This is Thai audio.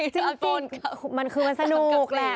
จริงมันคือมันสนุกแหละ